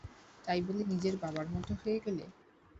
তাই বলে নিজের বাবার মত হয়ে গেলে?